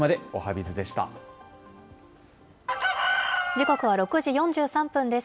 時刻は６時４３分です。